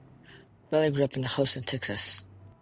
Bradley grew up in Houston, Texas.